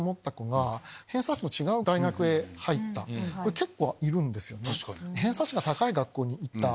結構いるんですよね。